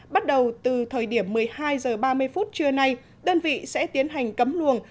bắt đầu từ thời điểm một mươi hai h ba mươi phút trưa nay đơn vị sẽ tiến hành cấm luồng